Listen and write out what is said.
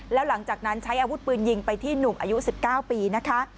แล้วหลังจากนั้นใช้อาวุธปืนยิงไปที่หนุ่มอายุ๑๙ปีนะคะ